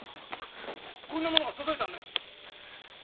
こんなものが届いたんだよ。